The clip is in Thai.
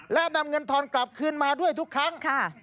และนำเงินทอนกลับคืนมาด้วยทุกครั้ง